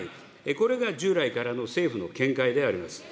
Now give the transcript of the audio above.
これが従来からの政府の見解であります。